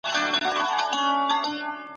سیاسي بندیان د لوړو زده کړو پوره حق نه لري.